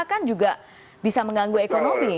kan juga bisa mengganggu ekonomi